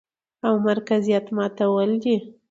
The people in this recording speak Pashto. او مرکزيت ماتول دي،